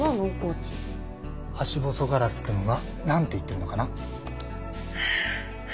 ハシボソガラスくんはなんて言ってるのかな？